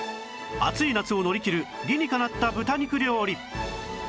暑い夏を乗り切る理にかなった豚肉料理